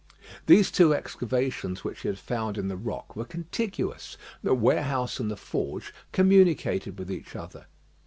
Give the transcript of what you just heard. These two excavations which he had found in the rock were contiguous. The warehouse and the forge communicated with each other.